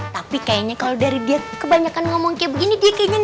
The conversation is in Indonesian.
tapi kayaknya kalo dari dia kebanyakan ngomong kayak begini dia kayaknya gak